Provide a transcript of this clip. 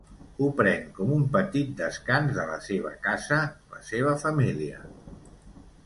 Ho pren com un petit descans de la seva casa, la seva família.